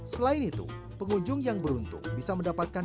selain itu pengunjung yang beruntung bisa mendapatkan